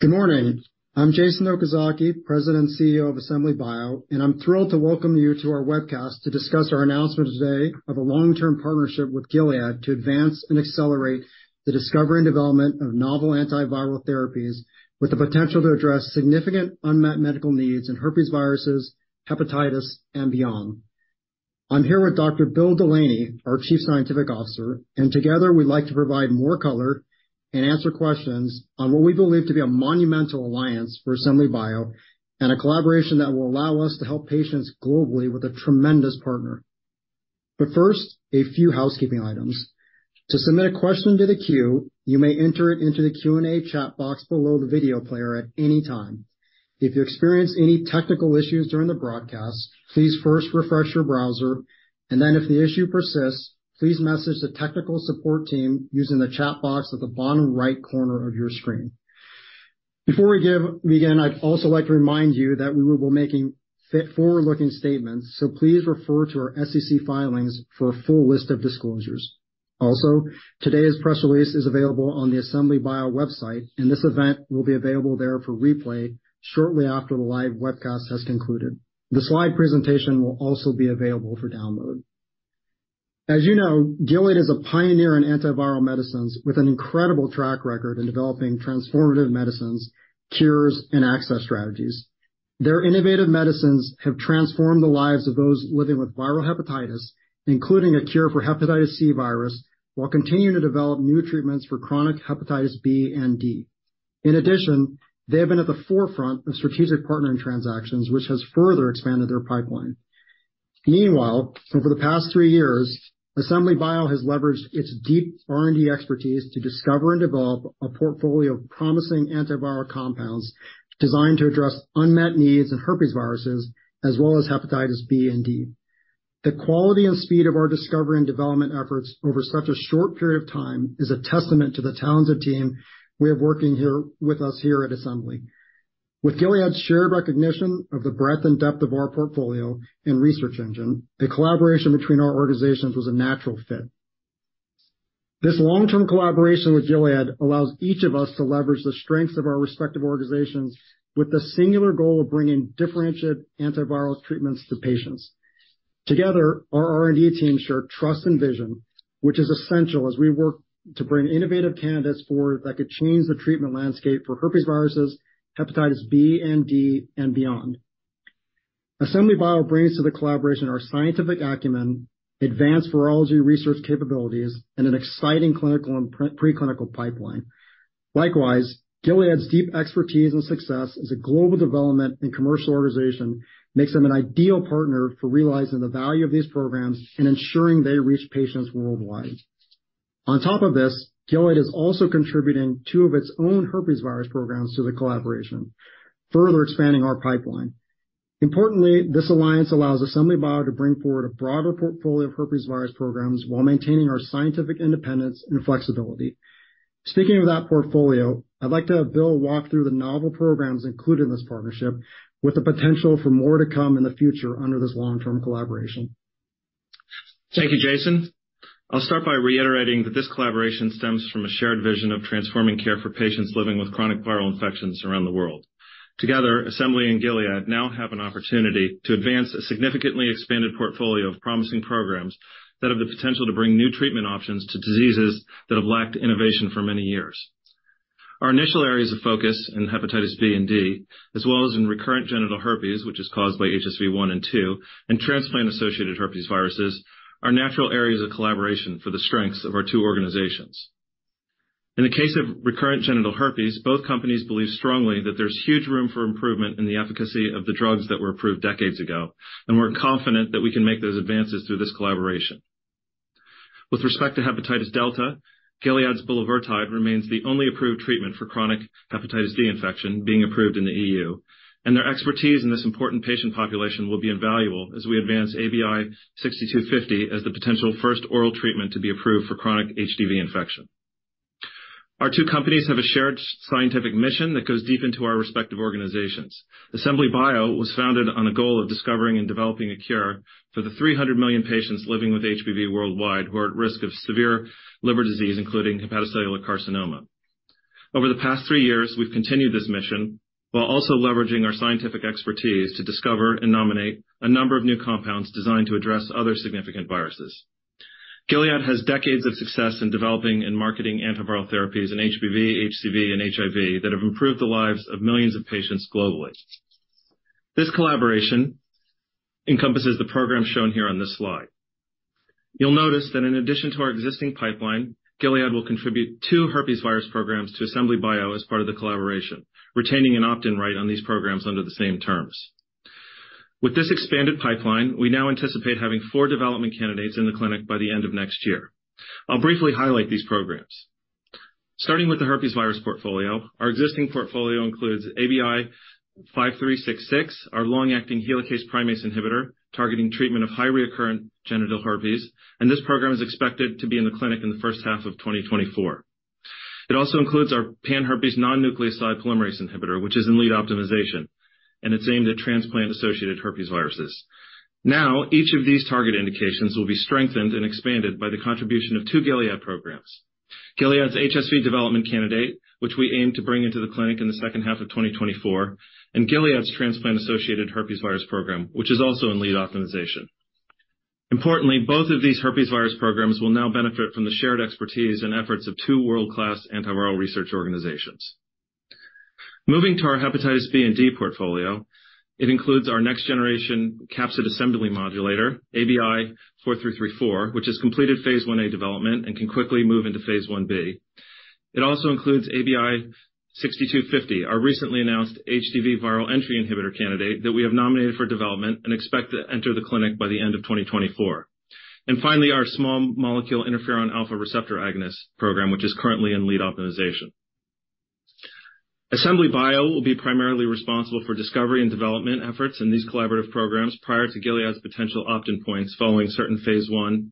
Good morning. I'm Jason Okazaki, President and CEO of Assembly Bio, and I'm thrilled to welcome you to our webcast to discuss our announcement today of a long-term partnership with Gilead to advance and accelerate the discovery and development of novel antiviral therapies with the potential to address significant unmet medical needs in herpes viruses, hepatitis, and beyond. I'm here with Dr. Bill Delaney, our Chief Scientific Officer, and together, we'd like to provide more color and answer questions on what we believe to be a monumental alliance for Assembly Bio and a collaboration that will allow us to help patients globally with a tremendous partner. But first, a few housekeeping items. To submit a question to the queue, you may enter it into the Q&A chat box below the video player at any time. If you experience any technical issues during the broadcast, please first refresh your browser, and then, if the issue persists, please message the technical support team using the chat box at the bottom right corner of your screen. Before we begin, I'd also like to remind you that we will be making forward-looking statements, so please refer to our SEC filings for a full list of disclosures. Also, today's press release is available on the Assembly Bio website, and this event will be available there for replay shortly after the live webcast has concluded. The slide presentation will also be available for download. As you know, Gilead is a pioneer in antiviral medicines with an incredible track record in developing transformative medicines, cures, and access strategies. Their innovative medicines have transformed the lives of those living with viral hepatitis, including a cure for hepatitis C virus, while continuing to develop new treatments for chronic hepatitis B and D. In addition, they have been at the forefront of strategic partnering transactions, which has further expanded their pipeline. Meanwhile, over the past three years, Assembly Bio has leveraged its deep R&D expertise to discover and develop a portfolio of promising antiviral compounds designed to address unmet needs in herpes viruses, as well as hepatitis B and D. The quality and speed of our discovery and development efforts over such a short period of time is a testament to the talented team we have working here, with us here at Assembly. With Gilead's shared recognition of the breadth and depth of our portfolio and research engine, the collaboration between our organizations was a natural fit. This long-term collaboration with Gilead allows each of us to leverage the strengths of our respective organizations with the singular goal of bringing differentiated antiviral treatments to patients. Together, our R&D teams share trust and vision, which is essential as we work to bring innovative candidates forward that could change the treatment landscape for herpes viruses, hepatitis B and D, and beyond. Assembly Bio brings to the collaboration our scientific acumen, advanced virology research capabilities, and an exciting clinical and preclinical pipeline. Likewise, Gilead's deep expertise and success as a global development and commercial organization makes them an ideal partner for realizing the value of these programs and ensuring they reach patients worldwide. On top of this, Gilead is also contributing two of its own herpes virus programs to the collaboration, further expanding our pipeline. Importantly, this alliance allows Assembly Bio to bring forward a broader portfolio of herpes virus programs while maintaining our scientific independence and flexibility. Speaking of that portfolio, I'd like to have Bill walk through the novel programs included in this partnership, with the potential for more to come in the future under this long-term collaboration. Thank you, Jason. I'll start by reiterating that this collaboration stems from a shared vision of transforming care for patients living with chronic viral infections around the world. Together, Assembly and Gilead now have an opportunity to advance a significantly expanded portfolio of promising programs that have the potential to bring new treatment options to diseases that have lacked innovation for many years. Our initial areas of focus in hepatitis B and D, as well as in recurrent genital herpes, which is caused by HSV-1 and HSV-2, and transplant-associated herpes viruses, are natural areas of collaboration for the strengths of our two organizations. In the case of recurrent genital herpes, both companies believe strongly that there's huge room for improvement in the efficacy of the drugs that were approved decades ago, and we're confident that we can make those advances through this collaboration. With respect to hepatitis delta, Gilead's bulevirtide remains the only approved treatment for chronic hepatitis D infection, being approved in the EU, and their expertise in this important patient population will be invaluable as we advance ABI-6250 as the potential first oral treatment to be approved for chronic HDV infection. Our two companies have a shared scientific mission that goes deep into our respective organizations. Assembly Bio was founded on a goal of discovering and developing a cure for the 300 million patients living with HBV worldwide, who are at risk of severe liver disease, including hepatocellular carcinoma. Over the past three years, we've continued this mission while also leveraging our scientific expertise to discover and nominate a number of new compounds designed to address other significant viruses. Gilead has decades of success in developing and marketing antiviral therapies in HBV, HCV, and HIV that have improved the lives of millions of patients globally. This collaboration encompasses the program shown here on this slide. You'll notice that in addition to our existing pipeline, Gilead will contribute two herpes virus programs to Assembly Bio as part of the collaboration, retaining an opt-in right on these programs under the same terms. With this expanded pipeline, we now anticipate having four development candidates in the clinic by the end of next year. I'll briefly highlight these programs. Starting with the herpes virus portfolio, our existing portfolio includes ABI-5366, our long-acting helicase-primase inhibitor, targeting treatment of highly recurrent genital herpes, and this program is expected to be in the clinic in the first half of 2024. It also includes our pan-herpes non-nucleoside polymerase inhibitor, which is in lead optimization, and it's aimed at transplant-associated herpes viruses. Now, each of these target indications will be strengthened and expanded by the contribution of two Gilead programs. Gilead's HSV development candidate, which we aim to bring into the clinic in the second half of 2024, and Gilead's transplant-associated herpes virus program, which is also in lead optimization. Importantly, both of these herpes virus programs will now benefit from the shared expertise and efforts of two world-class antiviral research organizations. Moving to our hepatitis B and D portfolio, it includes our next generation capsid assembly modulator, ABI-4334, which has completed Phase Ia development and can quickly move into Phase Ib. It also includes ABI-6250, our recently announced HBV viral entry inhibitor candidate that we have nominated for development and expect to enter the clinic by the end of 2024. Finally, our small molecule interferon alpha receptor agonist program, which is currently in lead optimization. Assembly Bio will be primarily responsible for discovery and development efforts in these collaborative programs prior to Gilead's potential opt-in points following certain Phase I,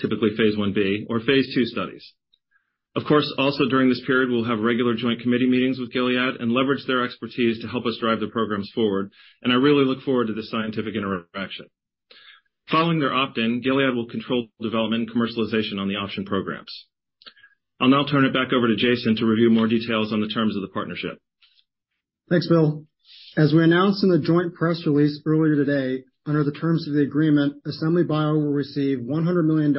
typically Phase Ib, or Phase II studies. Of course, also during this period, we'll have regular joint committee meetings with Gilead and leverage their expertise to help us drive the programs forward, and I really look forward to this scientific interaction. Following their opt-in, Gilead will control development and commercialization on the option programs. I'll now turn it back over to Jason to review more details on the terms of the partnership. Thanks, Bill. As we announced in the joint press release earlier today, under the terms of the agreement, Assembly Bio will receive $100 million,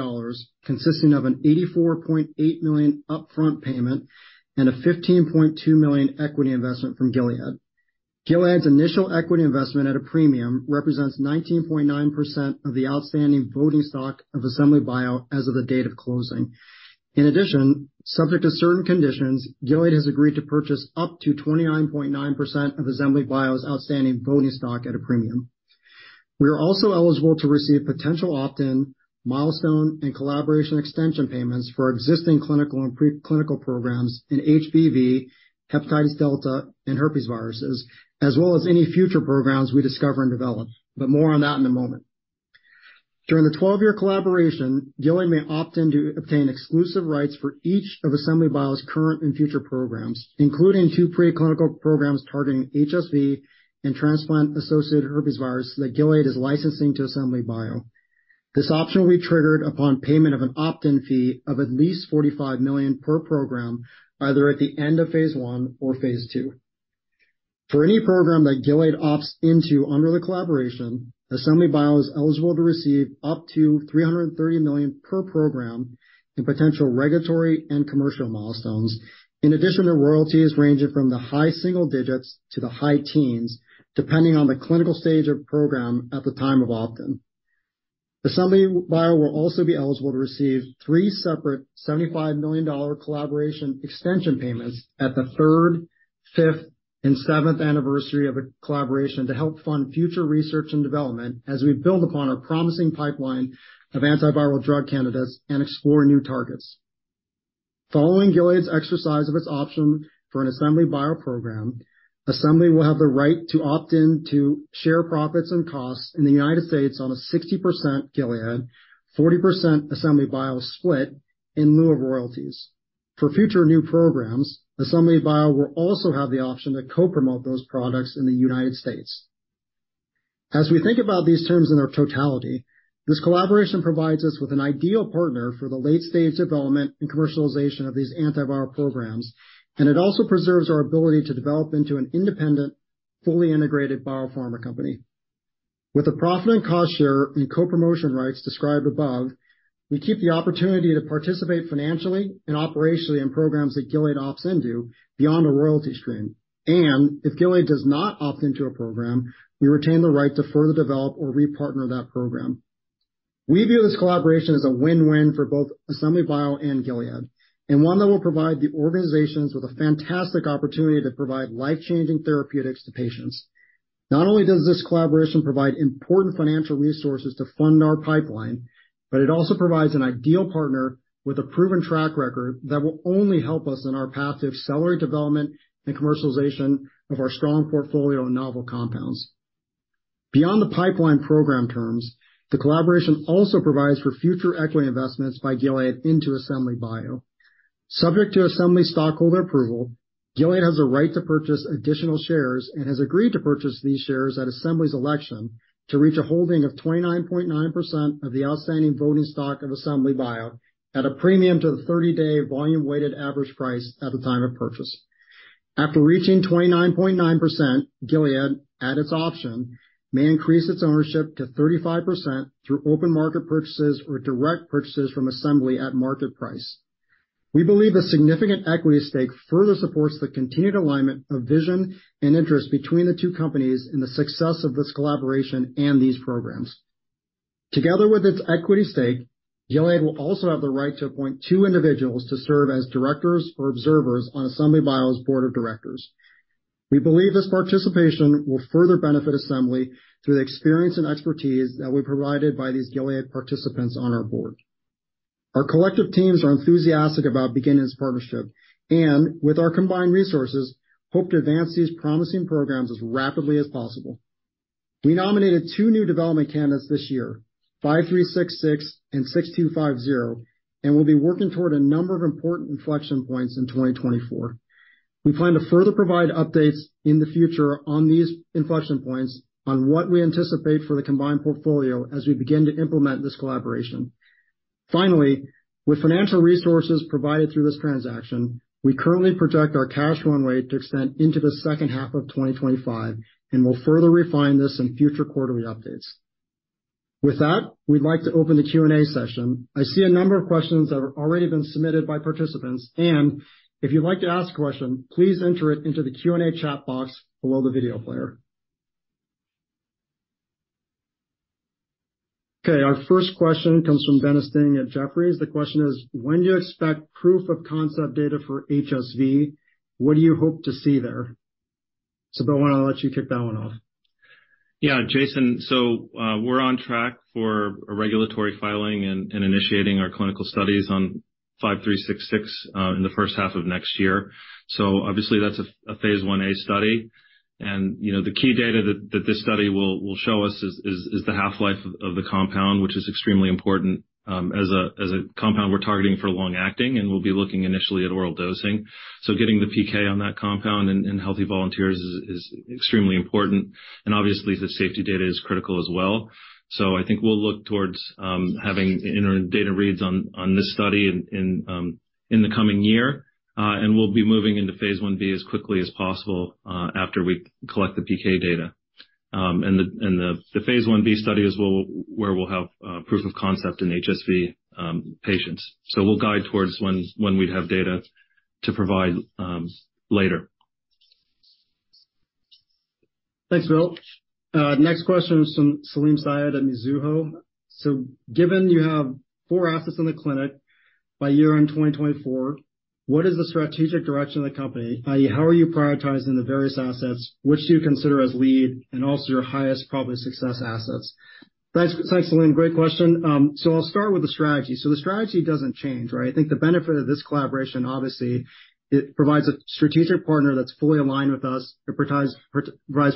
consisting of an $84.8 million upfront payment and a $15.2 million equity investment from Gilead. Gilead's initial equity investment at a premium represents 19.9% of the outstanding voting stock of Assembly Bio as of the date of closing. In addition, subject to certain conditions, Gilead has agreed to purchase up to 29.9% of Assembly Bio's outstanding voting stock at a premium. We are also eligible to receive potential opt-in milestone and collaboration extension payments for our existing clinical and preclinical programs in HBV, hepatitis delta, and herpes viruses, as well as any future programs we discover and develop, but more on that in a moment. During the 12-year collaboration, Gilead may opt in to obtain exclusive rights for each of Assembly Bio's current and future programs, including two preclinical programs targeting HSV and transplant-associated herpes virus that Gilead is licensing to Assembly Bio. This option will be triggered upon payment of an opt-in fee of at least $45 million per program, either at the end of Phase I or Phase II. For any program that Gilead opts into under the collaboration, Assembly Bio is eligible to receive up to $330 million per program in potential regulatory and commercial milestones, in addition to royalties ranging from the high single digits to the high teens, depending on the clinical stage of program at the time of opt-in. Assembly Bio will also be eligible to receive three separate $75 million collaboration extension payments at the third, fifth, and seventh anniversary of a collaboration to help fund future research and development as we build upon our promising pipeline of antiviral drug candidates and explore new targets. Following Gilead's exercise of its option for an Assembly Bio program, Assembly will have the right to opt in to share profits and costs in the United States on a 60% Gilead, 40% Assembly Bio split in lieu of royalties. For future new programs, Assembly Bio will also have the option to co-promote those products in the United States. As we think about these terms in their totality, this collaboration provides us with an ideal partner for the late-stage development and commercialization of these antiviral programs, and it also preserves our ability to develop into an independent, fully integrated biopharma company. With the profit and cost share and co-promotion rights described above, we keep the opportunity to participate financially and operationally in programs that Gilead opts into beyond a royalty stream. If Gilead does not opt into a program, we retain the right to further develop or repartner that program. We view this collaboration as a win-win for both Assembly Bio and Gilead, and one that will provide the organizations with a fantastic opportunity to provide life-changing therapeutics to patients. Not only does this collaboration provide important financial resources to fund our pipeline, but it also provides an ideal partner with a proven track record that will only help us on our path to accelerate development and commercialization of our strong portfolio of novel compounds. Beyond the pipeline program terms, the collaboration also provides for future equity investments by Gilead into Assembly Bio. Subject to Assembly stockholder approval, Gilead has a right to purchase additional shares and has agreed to purchase these shares at Assembly's election to reach a holding of 29.9% of the outstanding voting stock of Assembly Bio at a premium to the 30-day volume-weighted average price at the time of purchase. After reaching 29.9%, Gilead, at its option, may increase its ownership to 35% through open market purchases or direct purchases from Assembly at market price. We believe a significant equity stake further supports the continued alignment of vision and interest between the two companies in the success of this collaboration and these programs. Together with its equity stake, Gilead will also have the right to appoint two individuals to serve as directors or observers on Assembly Bio's board of directors. We believe this participation will further benefit Assembly through the experience and expertise that will be provided by these Gilead participants on our board. Our collective teams are enthusiastic about beginning this partnership and, with our combined resources, hope to advance these promising programs as rapidly as possible. We nominated two new development candidates this year, 5366 and 6250, and we'll be working toward a number of important inflection points in 2024. We plan to further provide updates in the future on these inflection points on what we anticipate for the combined portfolio as we begin to implement this collaboration. Finally, with financial resources provided through this transaction, we currently project our cash run rate to extend into the second half of 2025, and we'll further refine this in future quarterly updates. With that, we'd like to open the Q&A session. I see a number of questions that have already been submitted by participants, and if you'd like to ask a question, please enter it into the Q&A chat box below the video player. Okay, our first question comes from Dennis Ding at Jefferies. The question is: When do you expect proof of concept data for HSV? What do you hope to see there? So, Bill, why don't I let you kick that one off? Yeah, Jason. So, we're on track for a regulatory filing and initiating our clinical studies on ABI-5366 in the first half of next year. So obviously, that's a Phase Ia study, and, you know, the key data that this study will show us is the half-life of the compound, which is extremely important as a compound we're targeting for long-acting, and we'll be looking initially at oral dosing. So getting the PK on that compound and healthy volunteers is extremely important. And obviously, the safety data is critical as well. So I think we'll look towards having interim data reads on this study in the coming year, and we'll be moving into Phase Ib as quickly as possible after we collect the PK data. The Phase Ib study is where we'll have proof of concept in HSV patients. So we'll guide towards when we'd have data to provide later. Thanks, Bill. Next question is from Salim Syed at Mizuho. So given you have four assets in the clinic by year-end 2024, what is the strategic direction of the company? I.e., how are you prioritizing the various assets, which do you consider as lead, and also your highest probably success assets? Thanks. Thanks, Salim. Great question. So I'll start with the strategy. So the strategy doesn't change, right? I think the benefit of this collaboration, obviously, it provides a strategic partner that's fully aligned with us, it provides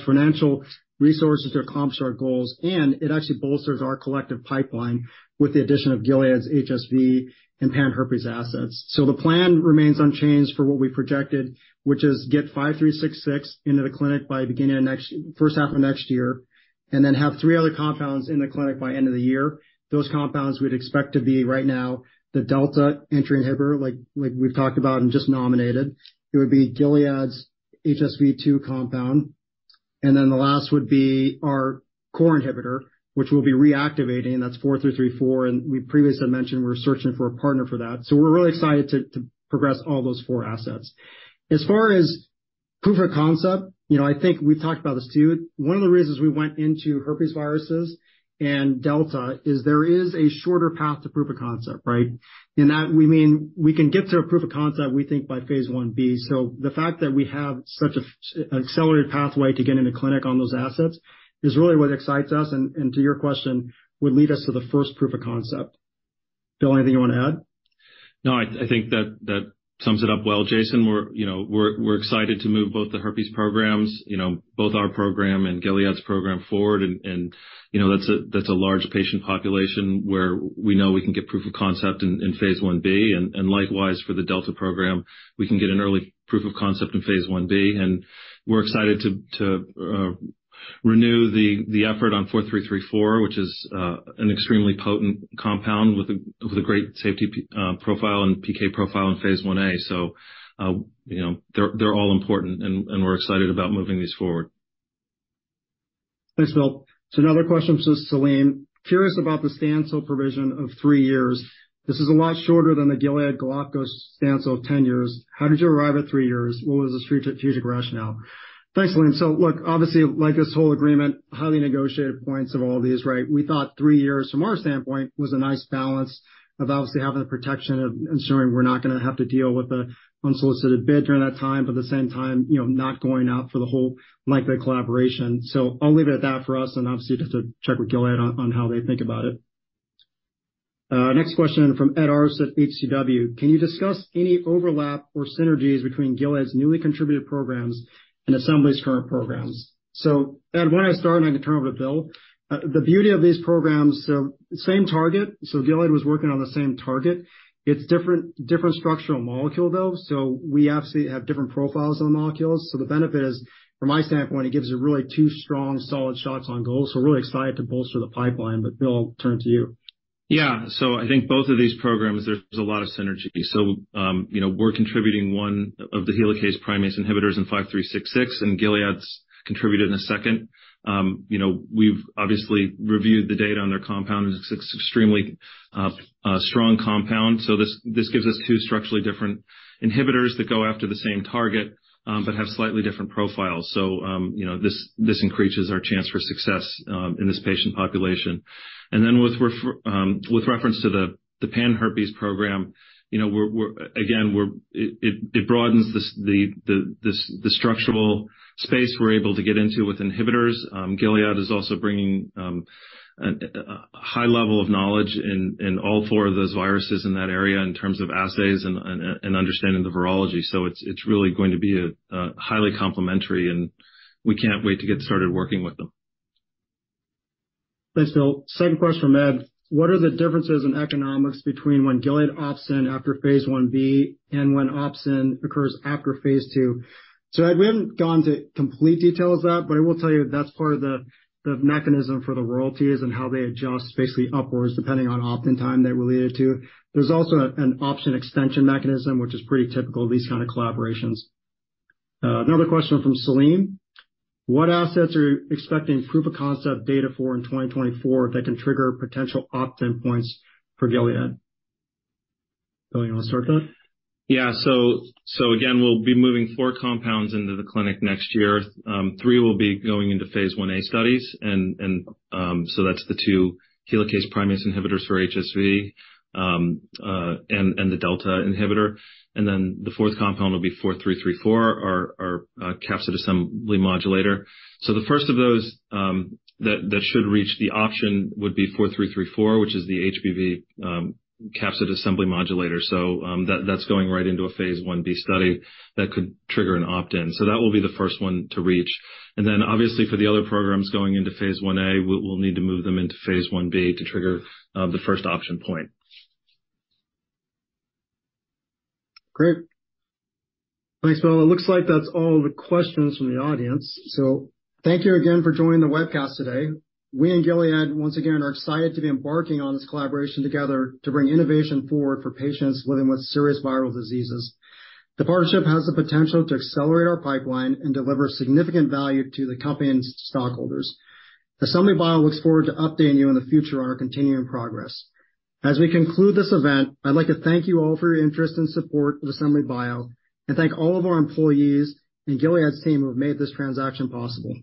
financial resources to accomplish our goals, and it actually bolsters our collective pipeline with the addition of Gilead's HSV and pan-herpes assets. So the plan remains unchanged for what we projected, which is get 5366 into the clinic by first half of next year, and then have three other compounds in the clinic by end of the year. Those compounds we'd expect to be, right now, the delta entry inhibitor like we've talked about and just nominated. It would be Gilead's HSV-2 compound, and then the last would be our core inhibitor, which we'll be reactivating, and that's 4334, and we previously had mentioned we're searching for a partner for that. So we're really excited to progress all those four assets. As far as proof of concept, you know, I think we've talked about this, too. One of the reasons we went into herpes viruses and delta is there is a shorter path to proof of concept, right? And by that we mean, we can get to a proof of concept, we think, by Phase Ib. So the fact that we have such an accelerated pathway to get into clinic on those assets is really what excites us, and to your question, would lead us to the first proof of concept. Bill, anything you want to add? No, I, I think that, that sums it up well, Jason. We're, you know, we're, we're excited to move both the herpes programs, you know, both our program and Gilead's program forward, and, and, you know, that's a, that's a large patient population where we know we can get proof of concept in, in Phase Ib, and, and likewise for the Delta program, we can get an early proof of concept in Phase Ib. And we're excited to, to, renew the, the effort on 4334, which is, an extremely potent compound with a, with a great safety, profile and PK profile in Phase Ia. So, you know, they're, they're all important, and, and we're excited about moving these forward. Thanks, Bill. So another question from Salim. Curious about the standstill provision of three years. This is a lot shorter than the Gilead-Galapagos standstill of 10 years. How did you arrive at three years? What was the strategic rationale? Thanks, Salim. So look, obviously, like this whole agreement, highly negotiated points of all these, right? We thought three years, from our standpoint, was a nice balance of obviously having the protection of ensuring we're not gonna have to deal with the unsolicited bid during that time, but at the same time, you know, not going out for the whole length of the collaboration. So I'll leave it at that for us, and obviously, you'll have to check with Gilead on, on how they think about it. Next question from Ed Arce at HCW: Can you discuss any overlap or synergies between Gilead's newly contributed programs and Assembly's current programs? So Ed, why don't I start, and I can turn it over to Bill? The beauty of these programs, they're same target, so Gilead was working on the same target. It's different, different structural molecule, though, so we absolutely have different profiles on the molecules. So the benefit is, from my standpoint, it gives it really two strong, solid shots on goal. So we're really excited to bolster the pipeline, but Bill, I'll turn to you. Yeah. So I think both of these programs, there's a lot of synergy. So, you know, we're contributing one of the helicase-primase inhibitors, ABI-5366, and Gilead's contributed in a second. You know, we've obviously reviewed the data on their compound, and it's extremely, a strong compound. So this gives us two structurally different inhibitors that go after the same target, but have slightly different profiles. So, you know, this increases our chance for success, in this patient population. And then with reference to the pan-herpes program, you know, we're again -- it broadens this, the structural space we're able to get into with inhibitors. Gilead is also bringing a high level of knowledge in all four of those viruses in that area in terms of assays and understanding the virology. So it's really going to be highly complementary, and we can't wait to get started working with them. Thanks, Bill. Second question from Ed: What are the differences in economics between when Gilead opts in after Phase Ib and when opt-in occurs after Phase II? So Ed, we haven't gone to complete details of that, but I will tell you that's part of the, the mechanism for the royalties and how they adjust basically upwards, depending on opt-in time they're related to. There's also a, an opt-in extension mechanism, which is pretty typical of these kind of collaborations. Another question from Salim: What assets are you expecting proof of concept data for in 2024 that can trigger potential opt-in points for Gilead? Bill, you want to start that? Yeah. So again, we'll be moving four compounds into the clinic next year. Three will be going into Phase Ia studies, and so that's the two helicase-primase inhibitors for HSV, and the delta inhibitor. And then the fourth compound will be 4334, our capsid assembly modulator. So the first of those that should reach the option would be 4334, which is the HBV capsid assembly modulator. So, that's going right into a Phase Ib study that could trigger an opt-in. So that will be the first one to reach. And then, obviously, for the other programs going into Phase Ia, we'll need to move them into Phase Ib to trigger the first opt-in point. Great. Thanks, Bill. It looks like that's all the questions from the audience. So thank you again for joining the webcast today. We and Gilead, once again, are excited to be embarking on this collaboration together to bring innovation forward for patients living with serious viral diseases. The partnership has the potential to accelerate our pipeline and deliver significant value to the company and its stockholders. Assembly Bio looks forward to updating you in the future on our continuing progress. As we conclude this event, I'd like to thank you all for your interest and support of Assembly Bio and thank all of our employees and Gilead's team who have made this transaction possible.